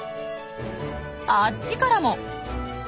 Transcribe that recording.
あっちからも！